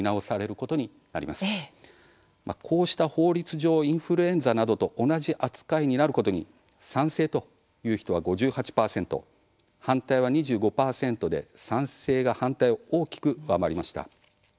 こうした法律上インフルエンザなどと同じ扱いになることに賛成という人は５８％反対は２５％で賛成が反対を大きく上回りました。